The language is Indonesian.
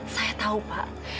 saya tahu pak